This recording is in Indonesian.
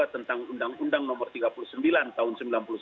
tentang undang undang nomor tiga puluh sembilan tahun sembilan puluh sembilan